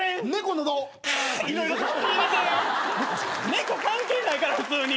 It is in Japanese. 猫関係ないから普通に。